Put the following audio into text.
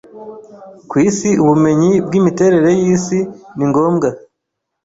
ku Isi ubumenyi bwimiterere yisi ni ngombwa.